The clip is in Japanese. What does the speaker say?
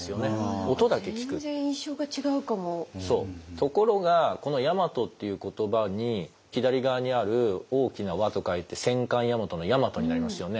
ところがこの「やまと」っていう言葉に左側にある「大きな和」と書いて戦艦「大和」の「大和」になりますよね。